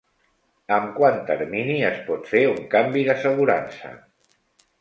Amb quant termini es pot fer un canvi d'assegurança?